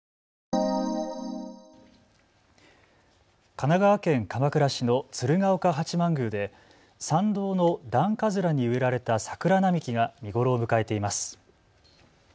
神奈川県鎌倉市の鶴岡八幡宮で参道の段葛に植えられた桜並木が見頃を迎えています。